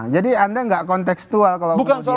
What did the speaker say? jadi anda enggak kontekstual kalau kemudian mengusir itu